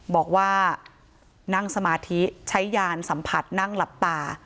บอกว่านั่งสมาธิใช้ยานสัมผัสนั่งหลับตา